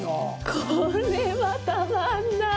これはたまんない！